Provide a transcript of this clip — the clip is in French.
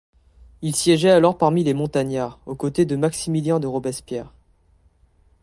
Il siégeait alors parmi les Montagnards, aux côtés de Maximilien de Robespierre.